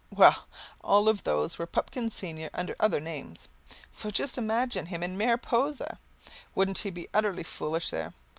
Well, all of those were Pupkin senior under other names. So just imagine him in Mariposa! Wouldn't he be utterly foolish there?